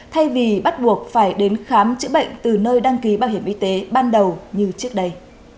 thay vì bắt buộc phải đến khám chữa bệnh từ nơi đăng ký bảo hiểm y tế ban đầu như trước đây